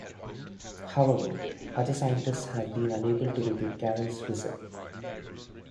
However, other scientists have been unable to repeat Carrel's result.